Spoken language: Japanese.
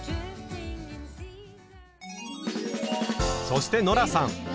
そしてノラさん。